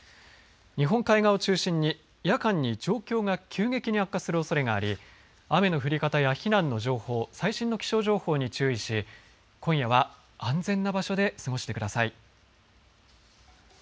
日本海側を中心に夜間に状況が急激に悪化するおそれがあり雨の降り方や避難の情報最新の気象情報に注意し今夜は安全な場所で過ごしてください。